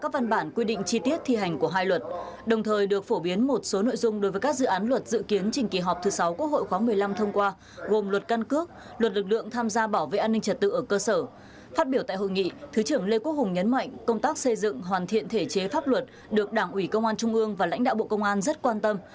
phát biểu tại hội nghị thứ trưởng lê quốc hùng nhấn mạnh công tác xây dựng hoàn thiện thể chế pháp luật được đảng ủy công an trung ương và lãnh đạo bộ công an rất quan tâm